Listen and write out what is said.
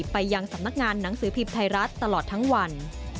ไปยังสำนักงานหนังสือพิมพ์ไทยรัฐตลอดทั้งวัน